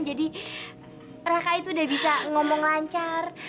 jadi raka itu udah bisa ngomong lancar